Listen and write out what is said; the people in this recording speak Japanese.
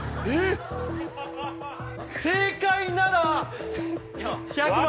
正解なら１００万円